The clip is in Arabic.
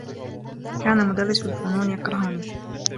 كان مدرّس الفنون يكرهني.